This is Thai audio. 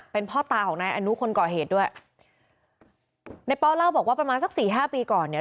เป็นพ่อตาของนายอนุคนก่อเหตุด้วยในป้อเล่าบอกว่าประมาณสักสี่ห้าปีก่อนเนี่ย